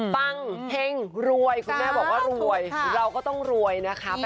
เห็งรวยคุณแม่บอกว่ารวยเราก็ต้องรวยนะคะ